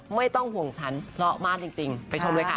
ไม่ต้องห่วงฉันเพราะมากจริงไปชมเลยค่ะ